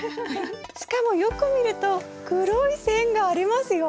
しかもよく見ると黒い線がありますよ。